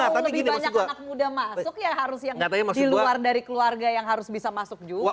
kalau lebih banyak anak muda masuk ya harus yang di luar dari keluarga yang harus bisa masuk juga